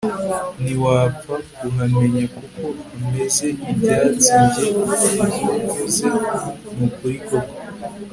ntiwapfa kuhamenya kuko hameze ibyatsiNjye ibyuvuze nukuri koko